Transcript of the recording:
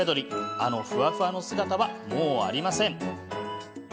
あのふわふわの姿はもうありません。